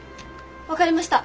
分かりました。